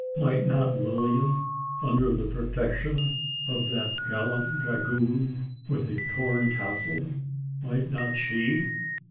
Might not Lilian, under the protection of that gallant dragoon, with the torn tassel might not she?